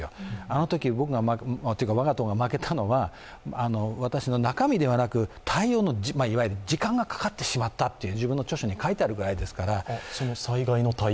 あのとき、我が党が負けたのは私の中身ではなく対応の時間がかかってしまったと自分の著書に書いてあるくらいですから。